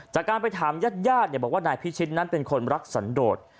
จากการไปถามญาติญาติบอกว่านายพิชิตนั้นเป็นคนรักสันโดด